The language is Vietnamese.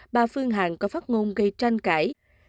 bà phương hằng có phát ngôn gây tranh cãi